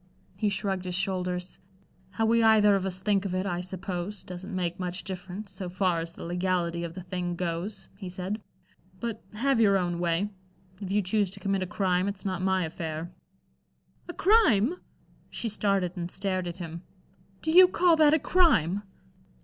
He shrugged his shoulders. "How we either of us think of it, I suppose, doesn't make much difference so far as the legality of the thing goes," he said. "But, have your own way. If you choose to commit a crime, it's not my affair." "A crime!" She started and stared at him. "Do you call that a crime?"